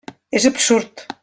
És absurd!